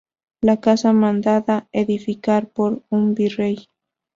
la casa, mandada edificar por un virrey